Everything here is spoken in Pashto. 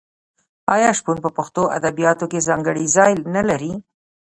آیا شپون په پښتو ادبیاتو کې ځانګړی ځای نلري؟